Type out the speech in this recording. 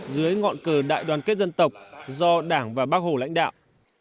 dưới ngọn cờ đại đoàn kết dân tộc do đảng và bác hồ lãnh đạo